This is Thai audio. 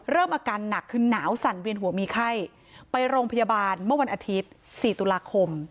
อาการหนักคือหนาวสั่นเวียนหัวมีไข้ไปโรงพยาบาลเมื่อวันอาทิตย์๔ตุลาคม